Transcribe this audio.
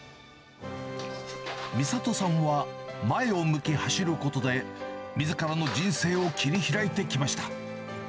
美里さんは前を向き走ることで、みずからの人生を切り開いてきました。